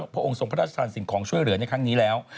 พระองค์ทรงพระราชทานสิ่งของช่วยเหลือในครั้งนี้แล้ว